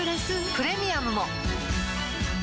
プレミアムも